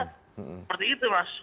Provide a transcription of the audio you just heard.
seperti itu mas